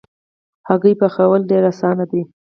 هګۍ پخلی ډېر آسانه دی.